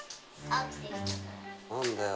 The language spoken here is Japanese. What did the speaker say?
何だよ。